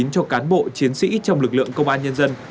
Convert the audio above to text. cho cán bộ chiến sĩ trong lực lượng công an nhân dân